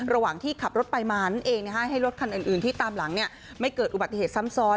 ระหว่างที่ขับรถไปมานั่นเองให้รถคันอื่นที่ตามหลังไม่เกิดอุบัติเหตุซ้ำซ้อน